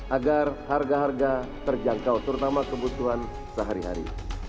agar harga harga terjangkau terutama kebutuhan sehari hari